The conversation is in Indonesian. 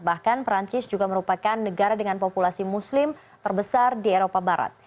bahkan perancis juga merupakan negara dengan populasi muslim terbesar di eropa barat